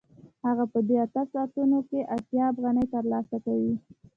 هغه په دې اته ساعتونو کې اتیا افغانۍ ترلاسه کوي